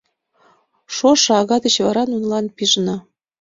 «Шошо ага деч вара нунылан пижына.